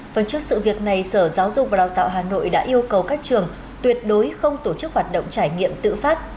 phần trước sự việc này sở giáo dục và đào tạo hà nội đã yêu cầu các trường tuyệt đối không tổ chức hoạt động trải nghiệm tự phát